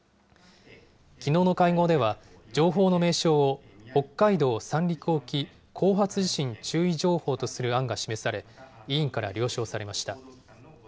きのうの会合では、情報の名称を、北海道・三陸沖後発地震注意情報とする案が示され、委員から了承されました。